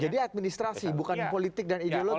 jadi administrasi bukan politik dan ideologis